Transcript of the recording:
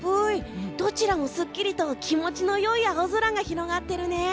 どちらもすっきり気持ちのいい青空が広がってるね。